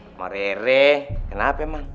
sama rere kenapa mam